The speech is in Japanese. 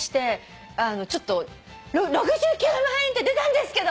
６９万円って出たんですけど！